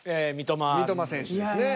三笘選手ですね。